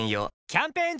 キャンペーン中！